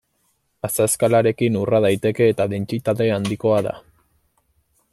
Azazkalarekin urra daiteke eta dentsitate handikoa da.